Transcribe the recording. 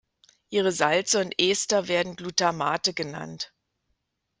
Ihre Salze und Ester werden Glutamate genannt.